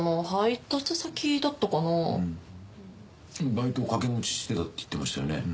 バイトを掛け持ちしてたって言ってましたよね。